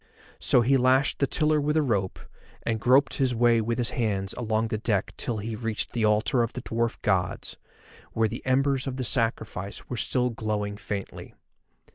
So he lashed the tiller with a rope, and groped his way with his hands along the deck till he reached the altar of the dwarf gods, where the embers of the sacrifice still were glowing faintly.